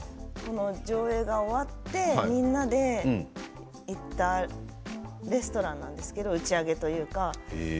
上映が終わってみんなで行ったレストランなんですけれど打ち上げというか。